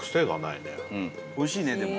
おいしいねでも。